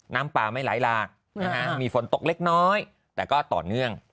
น้ำป่าไม่ไหลหลากมีฝนตกเล็กน้อยแต่ก็ต่อเนื่อง